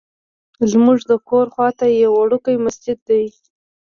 زمونږ د کور خواته یو وړوکی مسجد دی.